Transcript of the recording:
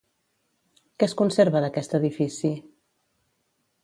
Què es conserva d'aquest edifici?